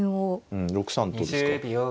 うん６三とで使う。